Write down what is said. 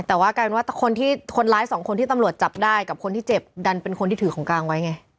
แต่ว่ากลายเป็นว่าคนที่คนร้ายสองคนที่ตำรวจจับได้กับคนที่เจ็บดันเป็นคนที่ถือของกลางไว้ไง